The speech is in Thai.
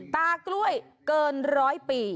ตากล้วยเกินร้อยปี